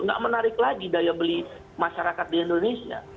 nggak menarik lagi daya beli masyarakat di indonesia